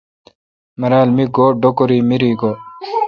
مرال۔ می گو ڈوکوری مری گو°